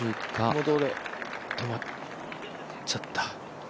止まっちゃった。